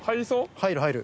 入る入る。